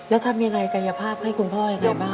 แล้วทำยังไงกายภาพให้คุณพ่อยังไงบ้าง